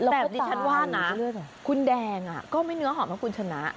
แต่ทีชั้นว่านะคุณแดงคือเงื้อหอมของคุณชนะ